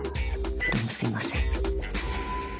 どうもすいません